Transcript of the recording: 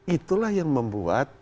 itulah yang membuat